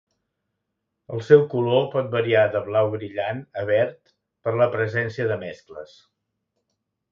El seu color pot variar de blau brillant a verd per la presència de mescles.